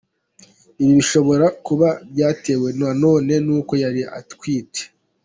Ibi bishobora kuba byatewe nanone n’uko yari atwite.